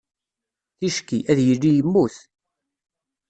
Ticki, ad yili yemmut.